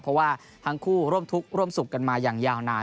เพราะว่าทั้งคู่ร่วมทุกข์ร่วมสุขกันมาอย่างยาวนาน